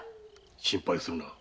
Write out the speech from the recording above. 心配するな。